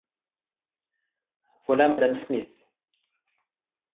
Voilà madame Smith.